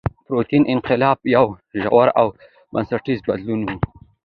پرتمین انقلاب یو ژور او بنسټیز بدلون و.